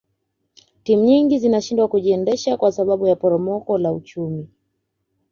timu nyingi zinashindwa kujiendesha kwa sababu ya poromoko la uchumi